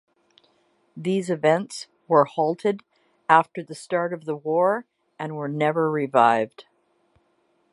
These events were halted after the start of the war and were never revived.